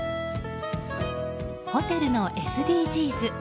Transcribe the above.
ホテルのＳＤＧｓ。